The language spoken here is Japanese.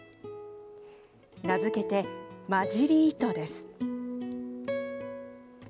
名付けて混じり糸です。